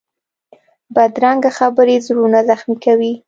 بدرنګه خبرې زړونه زخمي کوي